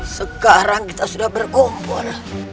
sekarang kita sudah berkumpul